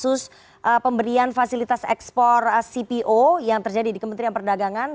kasus pemberian fasilitas ekspor cpo yang terjadi di kementerian perdagangan